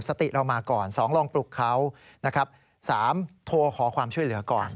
สติเรามาก่อน๒ลองปลุกเขานะครับ๓โทรขอความช่วยเหลือก่อน